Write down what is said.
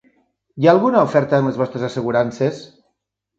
Hi ha alguna oferta en les vostres assegurances?